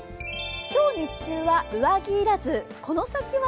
今日日中は上着要らずこの先は？